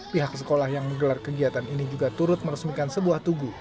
pihak sekolah yang menggelar kegiatan ini juga turut meresmikan sebuah tugu